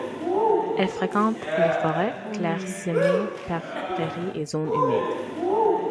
Elle fréquente les forêts clairsemées, prairies et zones humides.